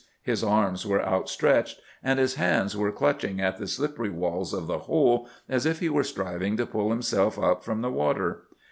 His arms were outstretched, and his hands were clutching at the slippery walls of the hole as if he were striving to pull himself up from the water.